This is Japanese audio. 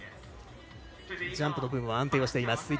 ジャンプの部分は安定してます。